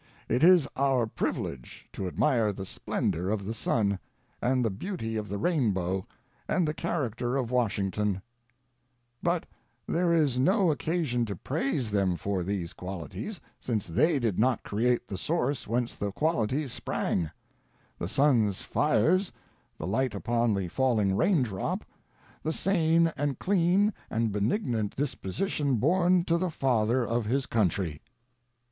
It is our privilege to admire the splendor of the sun, and the beauty of the rainbow, and the character of Wash ington ; but there is no occasion to praise them for these qualities, since they did not create the source whence the qualities sprang — the sun's fires, the light upon the falling rain drops, the sane and clean and benignant disposition born to the Father of his Coun try.